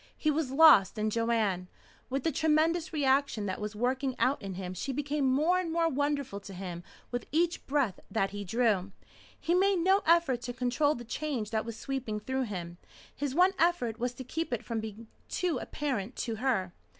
He was lost in Joanne. With the tremendous reaction that was working out in him she became more and more wonderful to him with each breath that he drew. He made no effort to control the change that was sweeping through him. His one effort was to keep it from being too apparent to her.